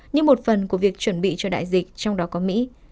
như một phần của việc chuẩn bị cho đại dịch trong đó có mỹ